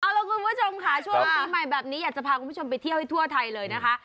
เอาล่ะคุณผู้ชมค่ะช่วงปีใหม่แบบนี้อยากจะพาคุณผู้ชมไปเที่ยวให้ทั่วไทยเลยนะคะ